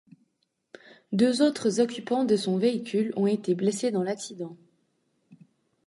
Deux autres occupants de son véhicule ont été blessés dans l’accident.